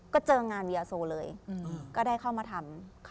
ก็เจองานวิยาโซเลยก็ได้เข้ามาทำ